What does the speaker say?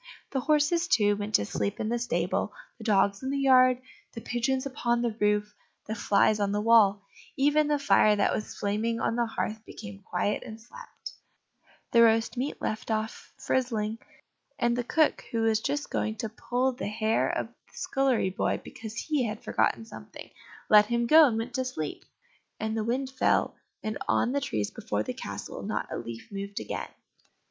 The horses, too, went to sleep in the stable, the dogs in the yard, the pigeons upon the roof, the flies on the wall; even the fire that was flaming on the hearth became quiet and slept, the roast meat left off frizzling, and the cook, who was just going to pull the hair of the scullery boy, because he had forgotten something, let him go, and went to sleep. And the wind fell, and on the trees before the castle not a leaf moved again.